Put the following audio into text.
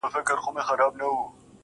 هر انسان خپل ارزښت لري.